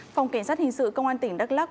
phòng cảnh sát hình sự công an tỉnh đắk lắc